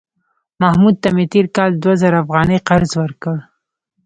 محمود ته مې تېر کال دوه زره افغانۍ قرض ورکړ